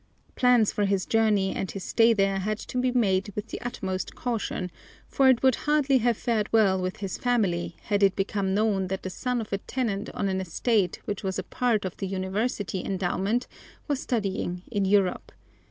Plans for his journey and his stay there had to be made with the utmost caution, for it would hardly have fared well with his family had it become known that the son of a tenant on an estate which was a part of the University endowment was studying in Europe.